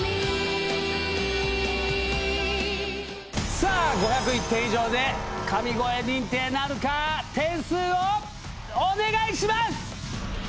さあ、５０１点以上で神声認定なるか、点数をお願いします。